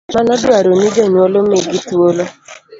Mano dwaroni jonyuol omigi thuolo